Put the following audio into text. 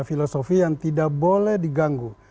filosofi yang tidak boleh diganggu